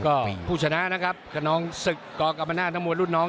ก็ผู้ชนะนะครับกับน้องศึกกรกรมนาศท่ามัวรุ่นน้อง